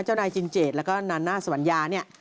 เจ้านายจินเจดแล้วก็นาน่าสวัญญาเนี่ย